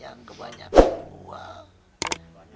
yang kebanyakan uang